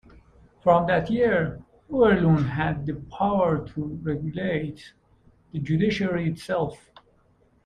From that year, Overloon had the power to regulate the judiciary itself.